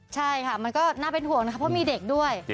ใช่ค่ะมันก็น่าเป็นห่วงนะครับเพราะมีเด็กด้วย